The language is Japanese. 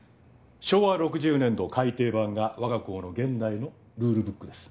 昭和６０年度改訂版が我が校の現在のルールブックです。